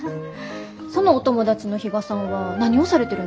そのお友達の比嘉さんは何をされてるんですか？